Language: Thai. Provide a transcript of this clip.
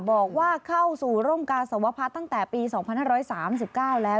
บอกว่าเข้าสู่ร่มกาศวพัฒน์ตั้งแต่ปีสองพันห้าร้อยสามสิบเก้าแล้ว